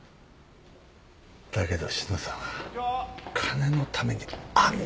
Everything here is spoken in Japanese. だけど志乃さんは金のためにあんな男と。